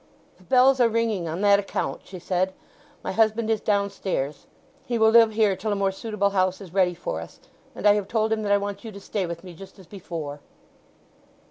"The bells are ringing on that account," she said. "My husband is downstairs. He will live here till a more suitable house is ready for us; and I have told him that I want you to stay with me just as before."